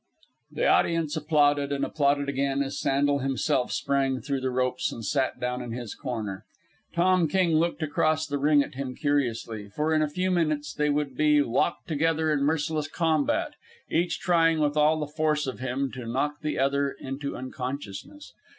The audience applauded, and applauded again as Sandel himself sprang through the ropes and sat down in his corner. Tom King looked across the ring at him curiously, for in a few minutes they would be locked together in merciless combat, each trying with all the force of him to knock the other into unconsciousness.